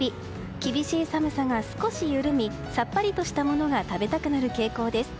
厳しい寒さが少し緩みさっぱりとしたものが食べたくなる傾向です。